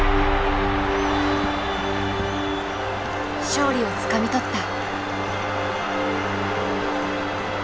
勝利をつかみ取った。